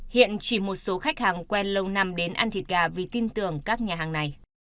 hiện chỉ một số khách hàng quen lâu năm đến ăn thịt gà vì tin tưởng các nhà hàng này